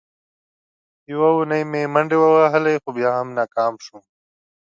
یوه اونۍ مې منډې ووهلې، خو بیا هم ناکام شوم.